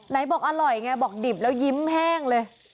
ไหนบอกอร่อยไงบอกดิบแล้วยิ้มแห้งเลย